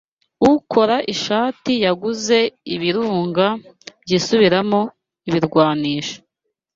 Ukora ishati yaguze ibirunga byisubiramo ibirwanisho